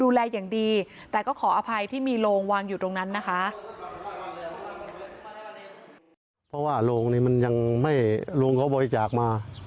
ดูแลอย่างดีแต่ก็ขออภัยที่มีโรงวางอยู่ตรงนั้นนะคะ